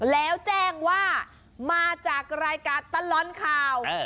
แล้วแจ้งว่ามาจากรายการตลอดข่าว